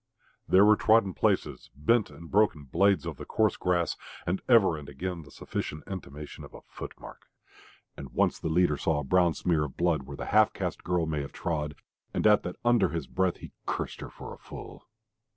There were trodden places, bent and broken blades of the coarse grass, and ever and again the sufficient intimation of a footmark. And once the leader saw a brown smear of blood where the half caste girl may have trod. And at that under his breath he cursed her for a fool.